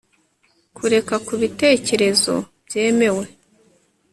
Kureka kubitekerezo byemewe